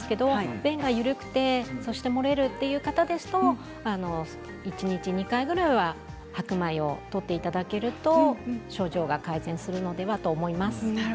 便が緩くて漏れるという方ですと一日２回ぐらいは白米をとっていただけると症状が改善するのではと思います。